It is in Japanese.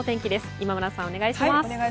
今村さん、お願いします。